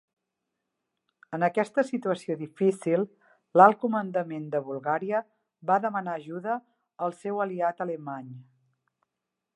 En aquesta situació difícil, l'alt comandament de Bulgària va demanar ajuda al seu aliat alemany.